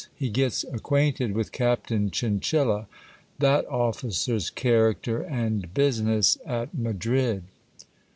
He gets ac quainted with Captain Chinchilla. That officers character and business at Madrid.